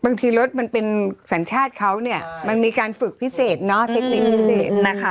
บางทีรถมันเป็นสัญชาติเขามันมีการฝึกพิเศษเทคนิคพิเศษ